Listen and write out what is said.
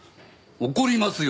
怒りますよ！